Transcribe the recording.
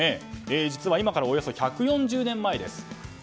実は今からおよそ１４０年前です。